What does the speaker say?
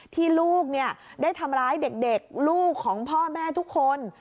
ที่ลูกได้ทำร้ายเด็กลูกของพ่อแม่ทุกคน